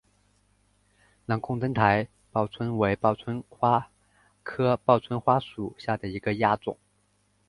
朗贡灯台报春为报春花科报春花属下的一个亚种。